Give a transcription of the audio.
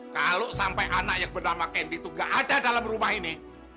kalau sampai anak yang bernama kendi itu nggak ada dalam rumah ini